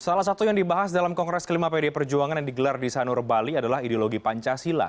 salah satu yang dibahas dalam kongres kelima pd perjuangan yang digelar di sanur bali adalah ideologi pancasila